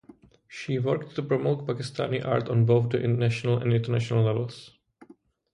She worked to promote Pakistani art on both the national and international levels.